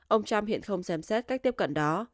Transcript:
ông trump hiện không xem xét cách tiếp cận đó